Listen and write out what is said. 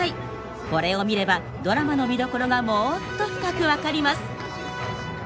これを見ればドラマの見どころがもっと深く分かります！